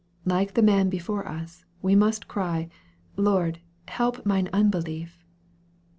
Like the man before us, we must cry, " Lord, help mine unbelief."